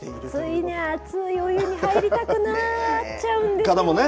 つい熱いお湯に入りたくなっちゃうんですよね。